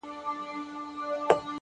هره موخه تمرکز غواړي!.